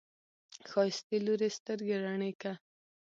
ښايستې لورې، سترګې رڼې که!